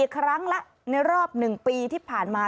ครั้งละในรอบ๑ปีที่ผ่านมา